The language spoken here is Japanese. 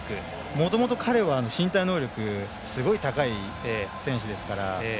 もともと彼は身体能力すごい高い選手ですから。